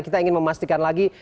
kita ingin memastikan lagi